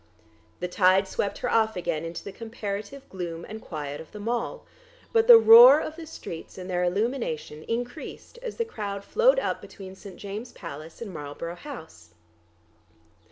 The tide swept her off again into the comparative gloom and quiet of the Mall, but the roar of the streets and their illumination increased as the crowd flowed up between St. James's Palace and Marlborough House.